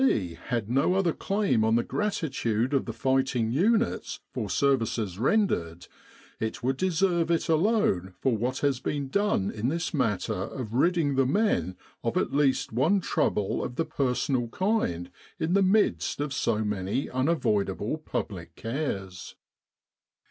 C. had no other claim on the gratitude of the fighting units for services rendered, it would deserve it alone for what has been done in this matter of o 213 With the R.A.M.C. in Egypt ridding the men of at least one trouble of the personal kind in the midst of so many unavoidable public cares.